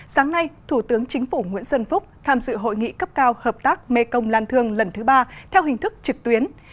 sáng nay thủ tướng chính phủ nguyễn xuân phúc tham dự hội nghị cấp cao hợp tác mekong lan thương lần thứ ba theo hình thức trực tuyến